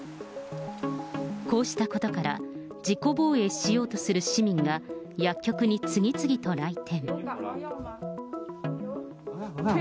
こうしたことから、自己防衛しようとする市民が、薬局に次々と来店。